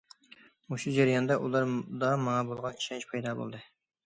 مۇشۇ جەرياندا، ئۇلاردا ماڭا بولغان ئىشەنچ پەيدا بولدى.